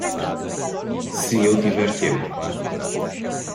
Se eu tiver tempo